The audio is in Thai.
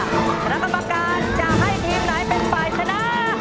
คณะกรรมการจะให้ทีมไหนเป็นฝ่ายชนะ